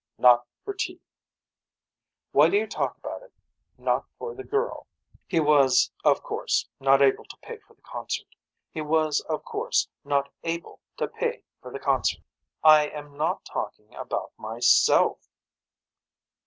Not for teeth. Why do you talk about it not for the girl. He was of course not able to pay for the concert. He was of course not able to pay for the concert. I am not talking about myself.